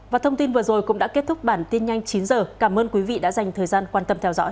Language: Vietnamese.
và thông tin vừa rồi cũng đã kết thúc bản tin nhanh chín h cảm ơn quý vị đã dành thời gian quan tâm theo dõi